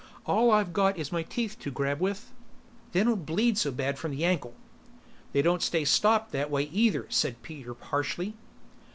"All I've got is my teeth to grab with. They don't bleed so bad from the ankle." "They don't stay stopped that way either," said Peter harshly.